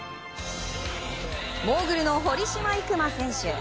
モーグルの堀島行真選手。